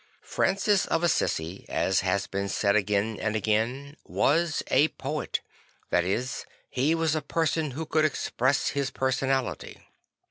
Francis of Assisi, as has been said again and again, was a poet; that is, he was a person who could express his personality.